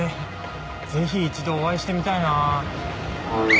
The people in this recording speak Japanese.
ぜひ一度お会いしてみたいな。